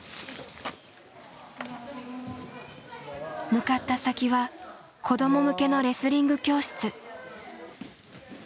向かった先は子ども向けのレスリング教室。